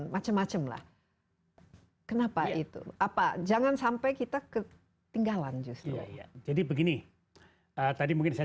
macem macem lah kenapa itu apa jangan sampai kita ke tinggalan justru jadi begini tadi mungkin saya